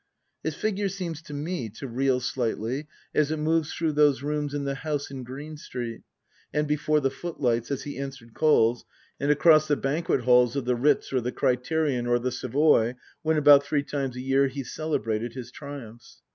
His figure seems to me to reel slightly as it moves through those rooms in the house in Green Street, and before the footlights as he answered calls, and across the banquet halls of the " Ritz " or the " Criterion " or the " Savoy," when about three times a year he cele brated his triumphs.